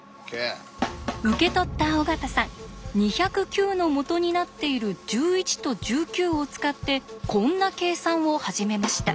受け取った尾形さん２０９の元になっている１１と１９を使ってこんな計算を始めました。